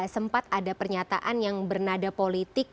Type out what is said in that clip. sempat ada pernyataan yang bernada politik